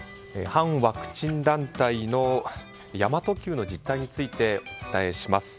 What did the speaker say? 反ワクチン団体の、神真都Ｑの実態についてお伝えします。